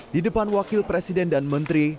di depan wakil presiden dan menteri